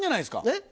えっ？